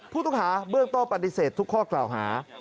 ผู้ต้องหาเบื้องต้นปฏิเสธทุกข้อกล่าวหา